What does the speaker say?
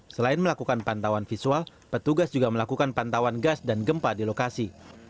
selain melakukan pantauan visual petugas juga melakukan pantauan gas dan gempa di lokasi